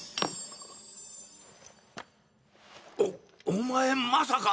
おお前まさか。